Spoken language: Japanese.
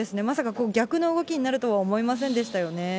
まさか逆の動きになるとは思いませんでしたよね。